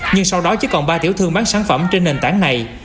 nhưng sau đó chỉ còn ba tiểu thương bán sản phẩm trên nền tảng này